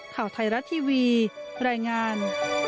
ข่าวไทยรัฐทีวีรายงาน